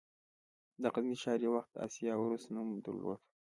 د غزني ښار یو وخت د «د اسیا عروس» نوم درلود